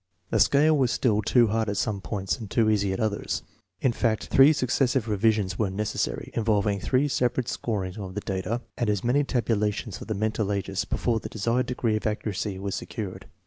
The scale was still too hard at some points, and too easy at others. In fact, three succes sive revisions were necessary, involving three separate scorings of the data and as many tabulations of the mental ages, before the desired degree of accuracy was secured.